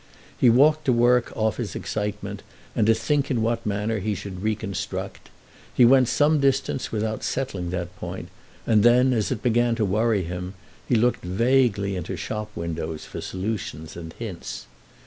He walked to work off his excitement and to think in what manner he should reconstruct. He went some distance without settling that point, and then, as it began to worry him, he looked vaguely into shop windows for solutions and hints.